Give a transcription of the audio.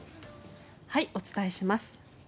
お伝えします。